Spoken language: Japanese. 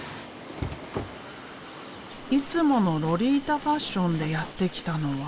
いつものロリータファッションでやって来たのは。